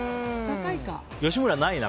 吉村、ないな。